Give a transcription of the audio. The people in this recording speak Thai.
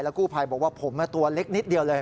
กู้ภัยบอกว่าผมตัวเล็กนิดเดียวเลย